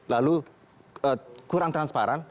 lalu kurang transparan